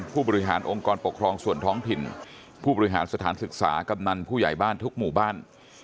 ผู้บริหารองค์กรปกครองส่วนท้องถิ่นผู้บริหารสถานศึกษากำนันผู้ใหญ่บ้านทุกหมู่บ้าน